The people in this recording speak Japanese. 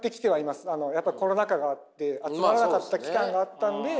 やっぱりコロナ禍があって集まらなかった期間があったんで。